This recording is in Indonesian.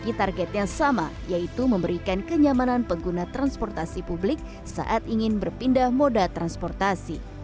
meski targetnya sama yaitu memberikan kenyamanan pengguna transportasi publik saat ingin berpindah moda transportasi